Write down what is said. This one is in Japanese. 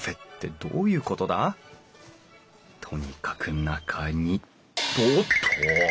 とにかく中におっと！